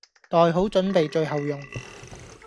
袋好準備最後用。